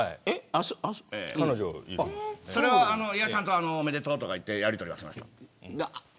それは、おめでとうとかいってやり取りはしました。